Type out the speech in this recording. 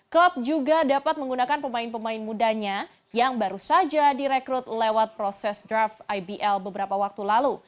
klub juga dapat menggunakan pemain pemain mudanya yang baru saja direkrut lewat proses draft ibl beberapa waktu lalu